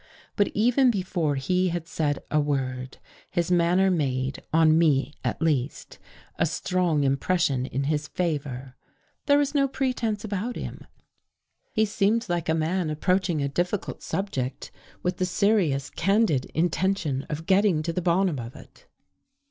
But even before he had said a word, his manner made, on me at least, a strong impression In his favor. There was no pretense about him. He seemed like 184 DOCTOR CROW FORGETS ^^nan approaching a difficult subject with the seri / Cs, candid intention of getting to the bottom of it.